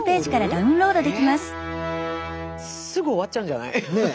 すぐ終わっちゃうんじゃない？ねえ。